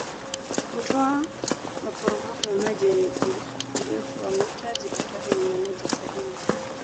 Hutoa maporomoko ya maji yenye urefu wa mita zipatazo mia moja sabini